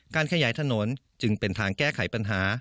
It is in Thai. ขยายถนนจึงเป็นทางแก้ไขปัญหา